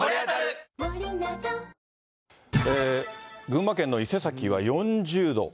群馬県の伊勢崎は４０度。